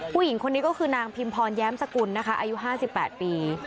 ผู้หญิงคนนี้ก็คือนางพิมพรแย้มสกุลนะคะอายุ๕๘ปี